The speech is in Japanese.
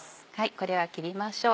これは切りましょう。